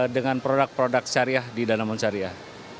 dengan produk produk syariah di danawan syariah